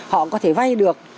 họ có thể vay được